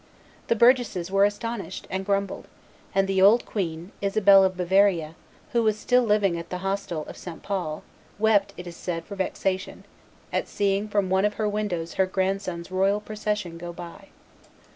The burgesses were astonished, and grumbled; and the old queen, Isabel of Bavaria, who was still living at the hostel of St. Paul, wept, it is said, for vexation, at seeing from one of her windows her grandson's royal procession go by.